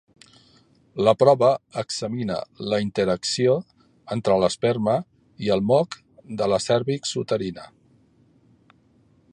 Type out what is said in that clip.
La prova examina la interacció entre l'esperma i el moc de la cèrvix uterina.